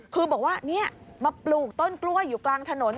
คือบอกว่ามาปลูกต้นกล้วยอยู่กลางถนน